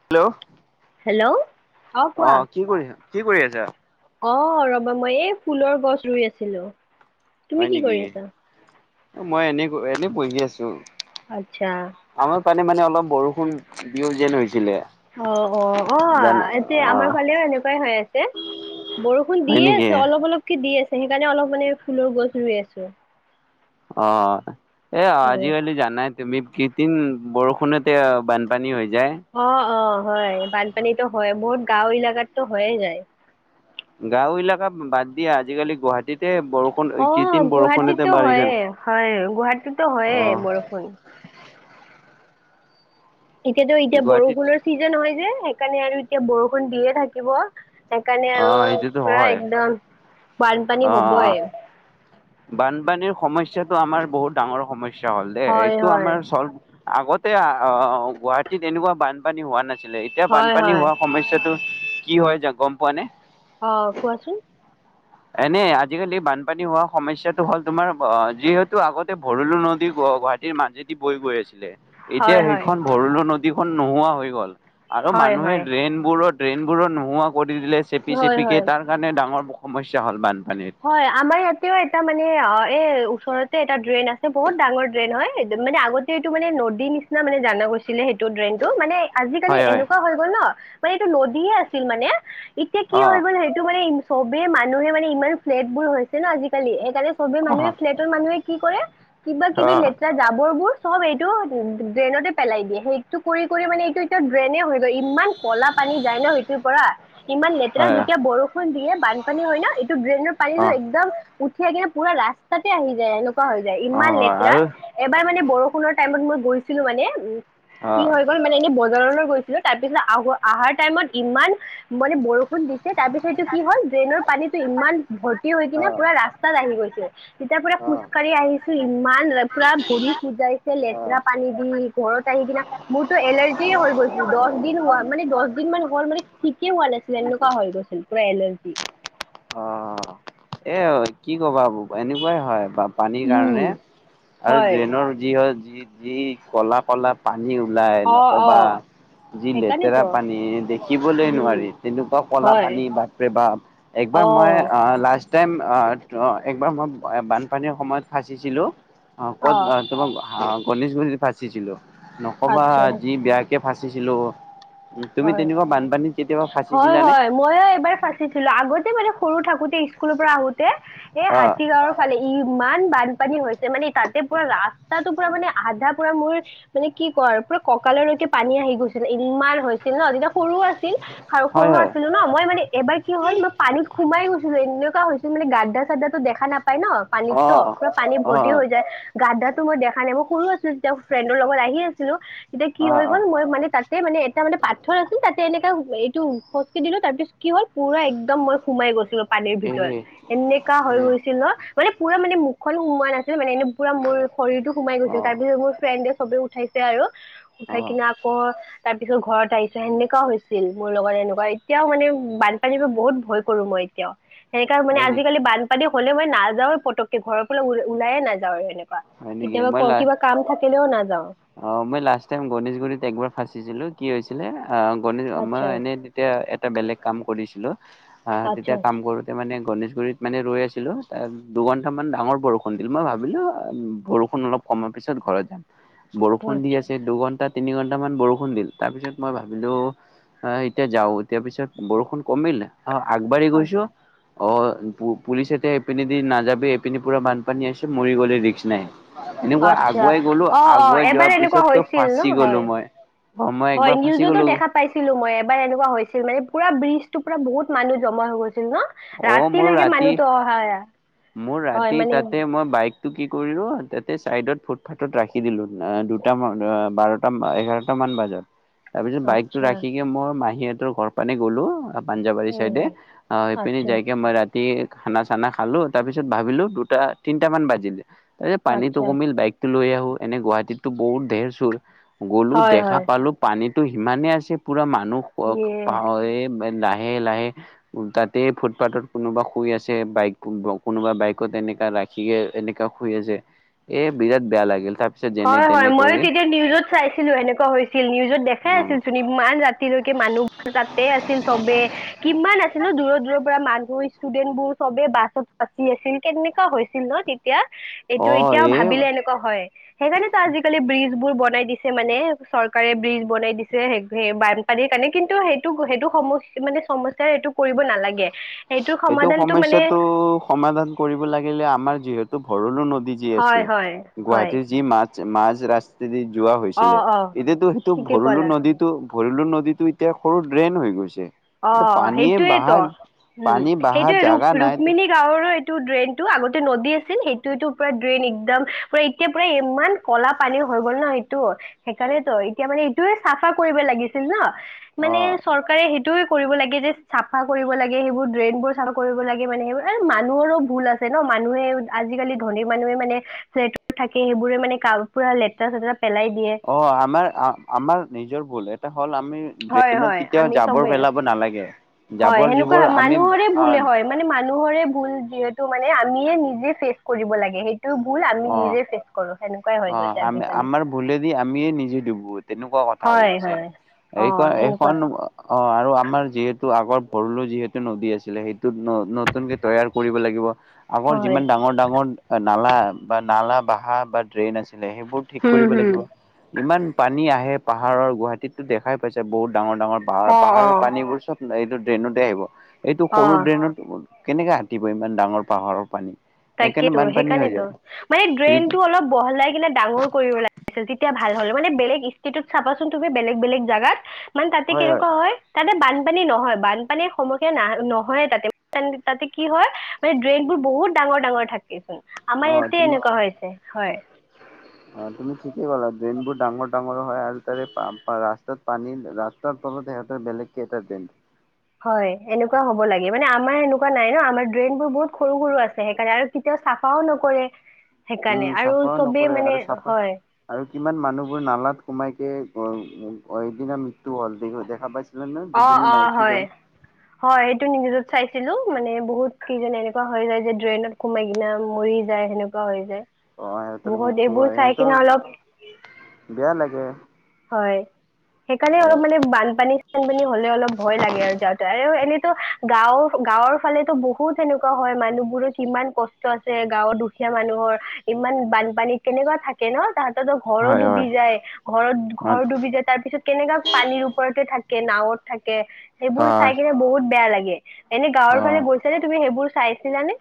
Hello hello অ কোৱা কি কৰিছা কি কৰি আছা অ ৰবা মই এই ফুলৰ গছ ৰুই আছিলো হয় তুমি কি নেকি কৰি আছা মই এনে এনেই পঢ়ি আছো আচ্ছা সেইকাৰণে মানে অলপ বৰষুণ দিও যেন হৈছে অ অ অ এয়া অ আমাৰ ফালেও এনেকুৱাই হৈ আছে বৰষুণ হয় দিয়ে নেকি আছে অলপ অলপক দি আছে সেইকাৰণে অলপ মানে ফুলৰ গছ ৰুই আছো অ এ হয় আজিকালি জানাই তুমি কেইদিন বৰষুণতে বানপানী হৈ যায় অ অ হয় বানপানীত হয় বত গাঁও এলেকাৰাতটো হয়ে যায় গাঁও এলাকা বাদ দিয়া আজিকালি গুৱাহাটীতে বৰষুণ অ কৃত্ৰিম বৰষুণতে গুৱাহাটীতো বাৰিষা হয়ে হয় গুৱাহাটীটো হয়ে অ বৰষুণ এতিয়াতো এতিয়া গুৱাহাটীত বৰষুণৰ ছিজন হয় যে সকাৰণে আৰু এতিয়া বৰষুণ দিয়ে থাকিব সেইকাৰণে অ আৰু সেইটোতো পুৰা হয় একদম বানপানী অ অ হ'বই বানপানীৰ সমস্যাটো আমাৰ বহুত ডাঙৰ সমস্যা হ'ল দেই হয় এইটো হয় আমাৰ চল্ভ আগতে অ গুৱাহাটীত এনেকুৱা বানপানী হোৱা নাছিল আছিলে এতিয়া হয় বানপানী হয় হোৱা সমস্যয়াাতটো কি হয় যা গম পোৱা নে আহ কোৱাচোন এনে আজিকালি বানপানী হোৱা সমস্যাটো হ'ল তোমাৰ অ যিহেতু আগতে ভৰলো নদী গুৱাহাটীৰ মাজেদি বৈ গৈ আছিলে এতিয়া হয় হয় সেইখন ভৰলো নদী যিখন নোহোৱা হৈ গ'ল [unintelligible] আৰু হয় মানুহে হয় ড্ৰেইন বোৰত ট্ৰেনবোৰত নোহোৱা ক' দিলে চেপি হয় চেপিকে হয় তাৰ কাৰণে ডাঙৰ সমস্যা হ'ল মান হয় আমাৰ ইয়াতে এটা মানে এ ওচৰতে এটা ড্ৰেইন আছে বহুত ডাঙৰ ড্ৰেইন হয় মানে আগতেটো মানে নদীৰ নিচিনা মানে জানা গৈছিলে সেইটো ড্ৰেইনতটো মানে আজিকালি হয় হয় এনেকুৱা হৈ গ'ল ন মানে এইটো নদীয়ে আছিল মানে এতিয়া কি অ হৈ গ'ল সেইটো মানে চবে মানুহে মানে ইমান ন্েট বোৰ হৈছে ন আজিকালি সেইকাৰণে [unintelligible] চব অ মানুহে ফ্লেটৰ মানুহে কি কৰে? কিবা অ কিবি লেতেৰা জাবৰ বোৰ চব এইটো ড্ৰেইনতে পেলাই দিয়ে, সেইটো কৰি কৰি মানে এইটো এতিয়া ড্ৰেইনে হৈ গৈ, ইমান ক'লা পানী যায় ন সেইটোৰ পৰা, ইমান লেতেৰা, হয় যেতিয়া বৰষুণ দিয়ে বানপানী হয় না, এইটো গ্ৰেইনৰ অ', [unintelligible] একদম উঠিয় কিনে পুৰা ৰাস্তাতে আহি যায়। পা হৈ যায়, ইমান অ', লেতেৰা, আৰু এবাৰ মানে বৰষুণত টাইম মই গৈছিলো মানে কি অ', হৈ গ'ল মানে, এনেই ব [unintelligible] গৈছিলো, তাৰপিছত আহ, আহাৰ টাইমত ইমান মানে বৰষুণ দিছে তাৰপিছতটো কি হ'ল, ড্ৰেইনৰ পানীতটো ইমান বৰ হৈ কিনে পুৰা ৰাস্তাত আহি গৈছিল। তেতিয়া পুৰা খোজকাঢ়ি আহিছো, ইমান লেতৰা ভৰি খুজাইছে লেতেৰা পানী দি ঘৰত আহি কিনা মোৰতো এলাৰ্জিয় হৈ গৈছিল দহ দিন, হোৱা মানে দহ দিন মান হল মানে ঠিকেই হোৱা নাছিল, এনেকুৱা হৈ গৈছিল। পুৰা এলাৰ্জি [inaudible] অ'। এ কি কবা এবু, এনেকুৱাই হয়। বা পানীৰ উম কাৰণে, আৰু হয় ড্ৰেইনৰ যি হয় যি যি, কলা কলা পায় পানী ওলাই অ অ নকবা, যি লেতেৰা সেইকাৰণেতো পানী দেখিবলৈ উম নোৱাৰি, তেনেকুৱা কলা হয় পানী বাাপ প্ৰে ভাৱ। একবাৰ অ মই লাষ্ট লাৰ্ষষ্ট টাইম, অ' একবাৰ মই বানপানীৰ সময়ত ফাঁচিছিলোঁ অ ক'ত তোমাক গণেশগজ ফাঁচিছিল। নকবা, আচ্ছা যি বেয়া কে ফাঁচিছিলোঁ তুমি তেনেকুৱা বানপানীত কেতিয়াবা হয় ফাঁচিছিলানে? হয়-ময় এবাৰ ফাচিছিলো। আগতে মানে সৰু থাকোতে স্কুলৰ পৰা আহোতে, এ অ', হাতী গাঁৱৰ ফালে, ইমান বান পানী হৈছে, মানে তাতে পুৰা ৰাস্তাটো পুৰা মানে আধা পুৰা মোৰ মানে কি কৰ পুৰা কঁকাললৈকে পানী আহি গৈছিলে, ইমানছিলে ছিল ন, যেতিয়া সৰু আছিল হয় সৰু হয় আছিলো ন, মই মানে এবাৰ কি হল মই পানীত সোমাই গৈছিলো এনে হৈছিলানে, গাদ্া চাদাো দেখা নাপায় পাই অ ন'পানীতো, পুৰা পানী অ ভৰ্তি হৈ যায়। গাাত ধাত তো মই দেখা নাই, মই সৰু আছিলো তেতিয়া, ফ্ৰেণ্ডৰ লগত আহি আছিলো এতিয়া কি অ হৈ অ গ'ল মই মানে তাতে মানে এটা মানে পাত তাতে এনেকা এইটো খজকি দিলো তাৰ পিছত কি হ'ল পুৰা একদম মই সোমাই গৈছিলো। পানীৰ এই ভিতৰত এই এনেকা হৈ গৈছিল ন। মানে পুৰা মানে মুখ খন সোমোৱা নাছিল মানে এনে পুৰা মোৰ শৰীৰটো সোমাই অ গৈছিল তাৰ পিছত মোৰ ফ্ৰেণ্ড সবে উঠাইছে আৰু অ উঠাই কিনা আকৌ তাৰ পিছত ঘৰত আহিছে। সেনেকুৱা হৈছিল মোৰ লগত এনেকুৱা এতিয়াও মানে বানপানীৰ পৰা বহুত ভয় কৰো মই এতিয়াও। সেনেকা মানে হয় নেকি আজিকালি বানপানী হ'লে মই নাযাওঁ এ পটকে ঘৰ পৰা ওলাইয়ে নাযাওঁ আৰু এনে হয় নেকি মই কেতিয়াবা লা কিবা কাম থাকিলেও নাযাও। অ মই লাষ্ট টাইম গণেশগুৰিত একবাৰ ফাঁচি দিছিলো কি হৈছিলে গণিত মই আচ্ছা এনেই তেতিয়া এটা বেলেগ কাম কৰিছো। অ আচ্ছা তেতিয়া কাম আচ্ছা কৰোতে মানে গণেশগুৰিত মানে ৰৈ আছিলোঁ দুঘন্টামান ডাঙৰ বৰষুণ দিলে মই ভাবিলোঁ বৰষুণ অলপ কমাৰ পিছত ঘৰত যাম। বৰষুণ দি আচ্ছা আছে দুঘণ্টাত তিনি ঘণ্টামান বৰষুণ দিল তাৰপিছত মই ভাবিলোঁ এতিয়া যাওঁ এতিয়া পিছত বৰষুণ কমিল অ আকবাৰি গৈছো। আচ্ছা অ পুলিচ এতিয়া এইপিনে দি নাযাবি এইপিনি পুৰা বানপানী আছে মৰি গলে ৰিক্স নাই এনেকুৱা আচ্ছা আগুৱাই গলো। অ অ যোৱাৰ এবাৰ এনেকুৱা পিছতো হৈছিল ফাঁচি ন গলো হয় মই অ মই হয় একবাৰ ফাঁচি নিউজতো গলো দেখা পাইছিলো মই এবাৰ এনেকুৱা হৈছিল মানে পুৰা ব্ৰিজটো পোৰা বহুত মানুহ জমা হৈ গৈছে ন অ মোৰ ৰাতিলৈকে ৰাতি মানুহটো অহা মোৰ হয় ৰাতি মানে তাতে মই বাইকটো কি কৰি লো, তাতে চাইডত ফুটপাথত ৰাখি দিলো দুটান বাৰটা এঘাৰটা মান বাজাত। তাৰপিছত বাইকতটো আচ্ছা ৰাখি কি মই মাহী ঘৰ পানে গ'লো। পাঞ্জাৱাৰী এ চাইডে অ সেইপিনে আচ্ছা যাইকে মই ৰাতি খানা চানা খালো। তাৰপিছত ভাবিলোঁ দুটা তিনিটামান বাজিলে। এই পানীটো আচ্ছা কমিল বাইক টো লৈ আহ এনে গুৱাহাটীতো বহুত ঢেৰ চুৰ গ'লো হয় দেখা হয় পালো পানীত সিমানে আছে পুৰা মাত- নোক পক পা ইয়ে এ [unintelligible] হে লাহে উ তাতে ফুটপাথত কোনোবা শুই আছে বাইকো বক কোনোবা বাইকত এনেকা ৰাখিয়ে এনেকা শুই আছে এ বিৰাট বেয়া লাগিল তাৰপিছত যেনে হয় হয় তেনে ময়ো কৰি তেতিয়া নিউজত চাইছিলো এনেকুৱা হৈছিল নিউজত দেখাই অ আছিল চোন ইমান ৰাতিলৈকে মানুহবোৰ তাতে আছিল চবে কিমান আছিলো দূৰৰ দূৰৰ পৰা মানুহ ষ্টুডেণ্ বোৰ চবে বাছত বাচি আছিল কেনেকা হৈছিল ন তেই এতিয়া এইটো অ এতিয়াও এই ভাবিলে এনেকুৱা হয় হেকাৰণে তো আজিকালি ব্ৰিজ বোৰ বনাই দিছে মানে চৰকাৰে ব্ৰিজ বনাই দিছে হেক হে বানপানীৰ কাৰণে কিন্তু সেইটো সেইটো সম মানে সমস্যা সেইটো কৰিব নালাগে সেইটোৰ এইটো সমাধানটো মানে সমস্যা টো সমাধান কৰিব লাগিলে আমাৰ যিহেতু ভৰলো নদ যি হয় আছে হয় হয় গুৱাহাটীৰ যি মা মাজ ৰাচ যদি যোৱা অ হৈছিলে অ এতিয়াতো সেইটো ঠিকে ভৰলো ক'লা নদীতটো ভৰিলো নদীতটো এতিয়া সৰু ড্ৰেইন হৈ গৈছে অ পানীয়ে সেইটোয়েই ত বাহাৰ উম পানী বাহা সেইটোয়ে ৰুক জাগা নাই ৰুক্মিণী গাঁৱৰো টো ড্ৰেইনতটো আগতে নদী আছিল সেইটো তো পুৰা ড্ৰেইন এক্দম পুৰা এতিয়া পুৰা ইমান কলা পানী হৈ গ'ল ন সেইটো সেইকাৰণেত এতিয়া মানে এইটোয়ে চাফা কৰিব লাগিছিল ন মানে অ চৰকাৰে সেই তোৰ কৰিব লাগে যে চাফা কৰিব লাগে সেইবোৰ ড্ৰেইন বোৰ চাফা কৰিব লাগে মানে সেইবোৰ এ মানুহৰো ভুল আছে ন মানুহে আজিকালি ধনীৰ মানুহে মানে ফ্লেটত থাকি সেইবোৰে মানে কা পুৰা লেতেৰা চেতেৰা পেলাই দিয়ে অ আমাৰ আ আমাৰ নিজৰ ভূলে আমি হয় ড্ৰেইনত হয় কেতিয়াও আমি জাবৰ চবে পেলাব নালাগে হয় জাৱৰ সেনেকুৱা জুৱৰ আমি মানুহৰে হা ভুলে হয় মানে মানুহৰে ভুল যিহেতু মানে আমিয়ে নিজে চেভ কৰিব লাগে সেই অ হৈ অ গৈছে আম আজিকালি আমাৰ ভুলেদি আমিয়ে নিজে ডুবো তেনেকুৱা কথা হৈ হয় গৈছে হয় অ এইখ সেনেকুৱা এইখন অ অ আৰু আমাৰ যিহেতু আগৰ ভৰলো যিহেতু নদী আছিলে সেই ন নতুনকে তৈয়াৰ কৰিব লাগিব আগৰ হয় যিমান ডাঙৰ ডাঙৰ নালা নালা বাহা বা ড্ৰেইন আছে সেইবোৰ ঠিক হম কৰিব হম লাগিব ইমান পানী আহে সেই পাহাৰৰ গুৱাহাটীততো দেখাই পাইছা বহুত ডাঙৰ ডাঙৰ পাহাৰ অ পাহাৰৰ অ পানীবোৰ চব এইটো ড্ৰেইনতে আহিব এইটো সৰু অ ড্ৰেইনত কেনেকে আটিব ইমান ডাঙৰ পাহাৰৰ পানী সেইকাৰণে তাকেইতো বানপানী হৈ সেইকাৰনেইতো যায় মানে ড্ৰেইন টো অলপ বহলাই কিনে ডাঙৰ কৰিব লাগিছিল তেতিয়া ভাল হ'ল মানে বেলেগ ষ্টেটত চাবাচোন তুমি বেলেগ বেলেগ জাগাত মানে তাতে কেনেকোৱা হয় তাতে বানপানী নহয় বানপানীৰ সমস্যা নাই নহয়ে তাতে তাতে কি হয় মানে ড্ৰেইনবোৰ বহুত ডাঙৰ ডাঙৰ থাকেচোন আমাৰ অ', ইয়াতে তুমি এনেকোৱা হৈছে হয় অ', তুমি ঠিকেই ক'লা ড্ৰেইনবোৰ ডাঙৰ ডাঙৰ হয় আৰু তাৰে ৰাস্তাত পানী ৰাস্তাৰ তলত সিহঁতৰ বেলেগ কে এটা ড্ৰেইন হয় এনেকোৱা হ'ব লাগে মানে আমাৰ এনেকোৱা নাই ন আমাৰ ড্ৰেইন বোৰ বহুত সৰু সৰু আছে সেইকাৰণে আৰু কেতিয়াও চাফাও নকৰে সেইকাৰণে উম আৰু চাফাও চবেই নকৰে মানে আৰু চাফা হয় আৰু কিমান মানুহবোৰ নালাত সোমাই কে অ এদিন আমি তো হল দেখা পাইছিলানে অ দুজনী অ মাইকী হয় গন ছিলো মানে বহুত কি জানে এনেকোৱা হৈ যায় যে ড্ৰেইনত সোমাই কিনে মৰি যায় সেনেকোৱা হৈ যায় অ', সিহঁতৰ বহুত মৃত্যু এইবোৰ হয় চাই সিহঁতৰ কিনে অলপ বেয়া লাগে হয় সেইকাৰণে অলপ মানে বানপানী চানপানী হ'লে অলপ ভয় লাগে আৰু যাওঁতে আৰু এনে গাঁৱৰ গাঁৱৰ ফালেতো বহুত সেনেকোৱা হয় মানুহবোৰৰ ইমান কষ্ট আছে গাঁৱৰ দুখীয়া মানুহৰ ইমান বানপানীত কেনেকোৱা থাকে ন তাত তেতিয়াতো ঘৰো হয় ডুবি হয় যায় ঘৰত অ', ঘৰ ডুবি যায় তাৰ পিছত কেনেকোৱা পানীৰ ওপৰতে থাকে থাকে নাৱত থা কে সেইবোৰ চাই অ', কিনে বহুত বেয়া লাগে ইয়ে এনে গাঁৱৰ অ'। ফালে গৈছা নে তুমি সেইবোৰ চাইছিলানে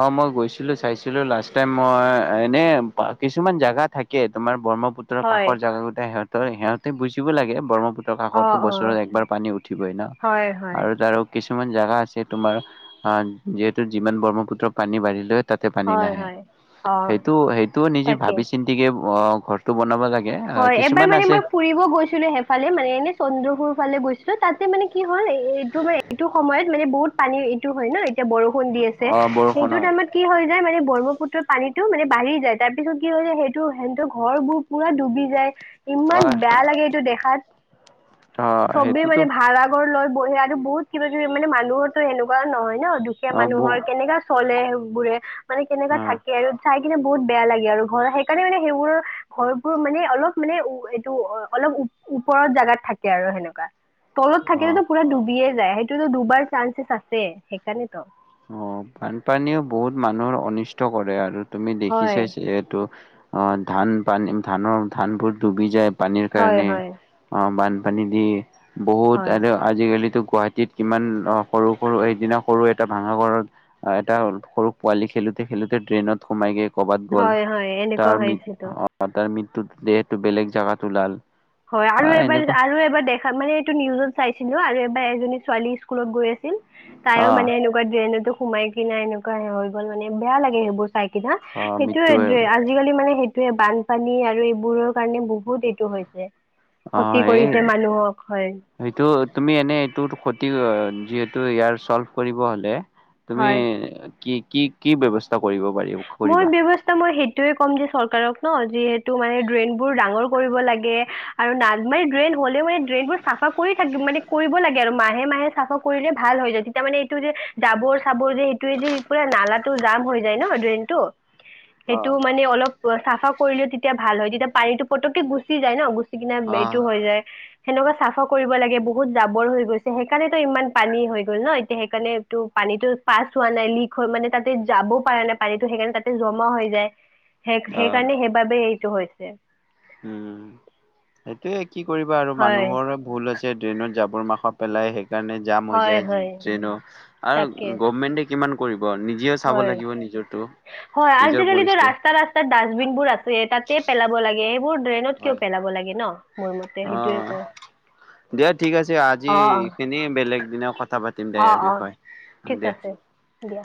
অ মই গৈছিলো চাইছিলো লাষ্ট টাইম মই এনে কিছুমান জেগা থাকে তোমাৰ ব্ৰহ্মপুত্ৰৰ হয় কাষৰ জেগাগোটাই সিহত তই সিহতে বুজ উম জানিব লাগে ব্ৰহ্মপুত্ৰৰ অ কাষতো অ বছৰত একবাৰ পানী উঠিবই না হয় হয় আৰু তাৰো কিছুমান কিছুমান জাগা আছে তোমাৰ যিহেতু যিমান ব্ৰহ্মপুত্ৰ ত পানী বাঢ়ি লৈ তাতে পানী হয় নাহে হয় অ সেইটো, সেইটো নিজে তাকে ভাবি চিন্তিকে অ' ঘৰটো বনাব লাগে। আহ হয় এবাৰ কিছুমান মানে আছে মই ফুৰিব গৈছিলো সেইফালে মানে এনে চন্দ্ৰপুৰ ফালে গৈছি লো তাতে মানে কি হ 'ল এইটো মানে এইটো সময়ত মানে বহুত পানী এইটো হয় ন। এতিয়া বৰষুণ দি আছে অ', বৰষুণ সেইটো হয় টাইমত কি হয় নাই মানে ব্ৰহ্মপুত্ৰত পানীটো মানে বাঢ়ি যায়। তাৰ পিছত কি হয় সেইটো সিহতৰ ঘৰবোৰ পোৰা ডুবি যায়। ইমান অ', বেয়া লাগে এইটো দেখাত। অ', চবেই সেইটোতো মানে ভাড়া ঘৰৰ লয়। বহে আৰু বহুত কিবা কিবি মানে মানুহৰ টো এনেকোৱা নহয় ন'। দুখীয়া অ', ব মানুহৰ কেনেকা চলে। বোৰে মানে কেনেকুৱা অ', থাকে আৰু চাই দেখিলে বহুত বেয়া লাগে আৰু ঘৰ। সেইকাৰণে মানে সেইবোৰৰ ঘৰ মানে অলপ মানে উ এইটো অ অলপ ওপৰত জেগাত থাকে আৰু সেনেকুৱা। তলত থাকিলে অ'। টো পুৰা ডুবিয়ে যায় সেই এইটো টো ডুবাৰ চান্সেছ আছে, সেইকাৰণে তো অ', বানপানীও বহুত মানুহৰ অনিষ্ট কৰে, আৰু। তুমি দেখি হয় চাই চাগে এইটো। অ'ধান পানী ধানৰ ধানবোৰ ডুবি যায়। পানীৰ হয় কাৰণে হয় অ, বান পানী দি বহুত হয় আৰু আজিকালিতো গুৱাহাটীত কিমান সৰু-সৰু এদিনা সৰু এ এটা ভাঙাগড়ত এটা সৰু পোৱালি খেলোতে, খেলোতে ড্ৰেইনত সোমাই গেল কৰ'বাত গ'ল। হয় হয় এনেকুৱা তাৰ মি হৈছেতো তাৰ মিট দেহটো বেলেগ জাগাত ওলাল। হয়, আৰু আহ এবাৰ, এনেকুৱা আৰু এবাৰ দে মানে এইটো নিউজত চাইছিলো আৰু এবাৰ এজনী ছোৱালী স্কুলত গৈ আছিল অ তাইও মানে এনেকুৱা ড্ৰেইনত সোমাই কিনে এনেকুৱা হৈ গল মানে বেয়া লাগে, সেইবোৰ চাইক। অ মৃত্যু হ'ল সেইটোয়ে আজিকালি মানে সেই--্ এইে বানপানী আৰু এইবোৰৰ কাৰণে বহুত এইটো হৈছে। ঠিক। [unintelligible] অ, এই সটো তুমি এনে এইটো। যিহেতু ইয়াৰ চল্ভ কৰিব হ'লে। তুমি। হয় কি, কি, কি ব্যৱস্থা কৰিব? পাৰি মোৰ কৰিবা? ব্যয়ৱস্থা মই সেই। এইয়ে কম যে চৰকাৰক ন, যিহেতটো মানে ড্ৰেইন বোৰ ডাঙৰ কৰিব লাগে। আৰু ন, মানে ড্ৰেইন হলেও মানে ড্ৰেইন বোৰ চাফা কৰি থাক মানে কৰিব লাগে। আৰু মাহে, মাহে চাফা কৰিলে ভাল হৈ যায়। তেতিয়া মানে এইটো যে জাবৰ চাবৰ যে সেইটোয়ে যে পুৰা নালাটো জাম হৈ যায় ন ড্ৰেইন তটো। অ সেইটো মানে অলপ। অ, চাফা কৰিলেও তেতিয়া ভাল হয়। তেতিয়া পানীতটো পতক গুচি যায় ন। কিনে এইটো অ হৈ যায়। সেনেকুৱা চাফা কৰিব লাগে। বহুত জাবৰ হৈ গৈছে, সেইকাৰণেেতো ইমান পানী হৈ গ'ল ন। এতিয়া সেইকাৰণেটো পানীতো পাছ হোৱা নাই লিক হৈ মানে তাতে যাবও পৰা নাই পানীত। টো সেইকাৰণে তাতে জমা হৈ যায়। সেই সেইকাৰণে সেইবাবে। হৈছে। উম, সেইটোৱে। কি কৰিবা আৰু হয় মানুহৰ ভুল হৈছে ডট্ৰেইনত যাব। কুৰ মাংস পেলাই শে। কাৰণে জাম হৈ হয় যায় হয় টেইনো তাকে আৰু গভমেটে। কিমান কৰিব। নিজেও চাব হয় লাগিব নিজৰটো হয় নিজৰ আজিকালি পৰিস্থিতি ৰাস্তা ৰাস্তাত ডাষ্টবিন বোৰ আছে তাতে পেলাব লাগে। এইবোৰ। ট্ৰেইনত কিয় হয় পেলাব লাগে ন। মোৰ মতে অ সেইটোয়ে কওঁ দিয়া ঠিক আছে আজি অ অ এই খিনি বেলেগ। দিনৰ। কথা পাতিম দে অ ইয়াৰ অ বিষয়ে ঠিক দিয়া। আছে দিয়া